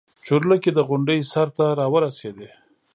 چورلکې د غونډۍ سر ته راورسېدې.